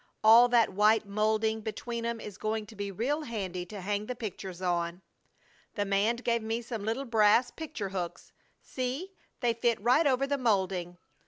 And that white molding between 'em is going to be real handy to hang the pictures on. The man gave me some little brass picture hooks. See, they fit right over the molding.